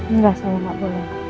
enggak sama gak boleh